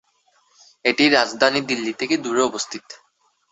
এটি রাজধানী দিল্লি থেকে দূরে অবস্থিত।